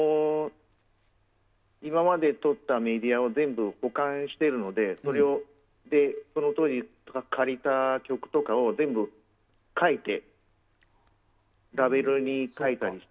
今までとったメディアを全部保管しているのでそのとおり借りた曲とかを全部ラベルに書いたりして。